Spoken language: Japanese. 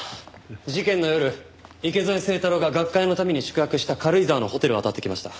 事件の夜池添清太郎が学会のために宿泊した軽井沢のホテルをあたってきました。